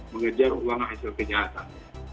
mengejar uang hasil kenyataan